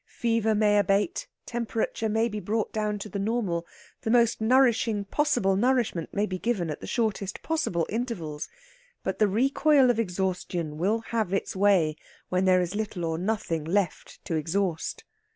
Fever may abate, temperature may be brought down to the normal, the most nourishing possible nourishment may be given at the shortest possible intervals, but the recoil of exhaustion will have its way when there is little or nothing left to exhaust.